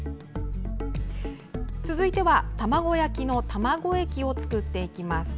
続いては卵焼きの卵液を作っていきます。